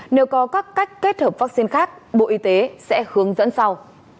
nếu có các cách kết hợp vaccine khác bộ y tế sẽ hướng dẫn sau